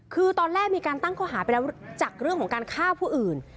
คือตอนแรกมีการตั้งข้อหาไปแล้วจากเรื่องของการฆ่าผู้อื่น